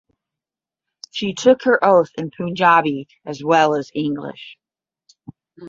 She took her oath in Punjabi as well as English.